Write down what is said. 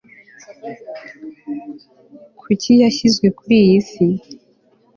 kuki yashyizwe kuri iyi si